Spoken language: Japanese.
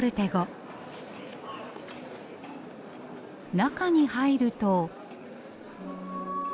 中に入ると。